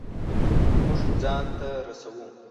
مونږ ځان ته رسو